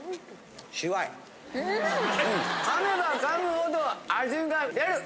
噛めば噛むほど味が出る。